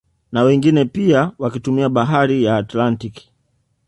Na wengine pia wakitumia bahari ya Atlantiki